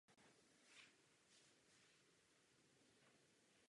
To má důsledky pro euro, pro budoucnost Evropy.